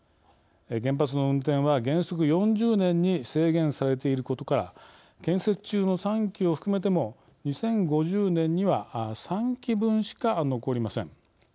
原発の運転は原則４０年に制限されていることから建設中の３基を含めても２０５０年には３基分しか残りません。